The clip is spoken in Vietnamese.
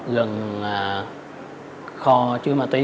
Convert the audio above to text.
gần kho chứa ma túy